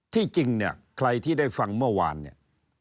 จริงเนี่ยใครที่ได้ฟังเมื่อวานเนี่ย